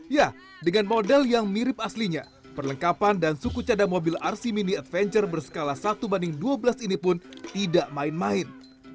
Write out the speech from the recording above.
ya dengan model yang mirip aslinya perlengkapan dan suku cada mobil rc mini adventure berskala satu banding dua belas ini pun tidak main main